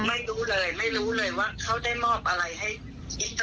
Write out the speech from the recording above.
ไม่รู้เลยไม่รู้เลยว่าเขาได้มอบอะไรให้อิสเตอร์อะไรอย่างนี้